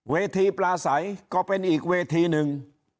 เวทีปลาใสก็เป็นอีกเวทีหนึ่ง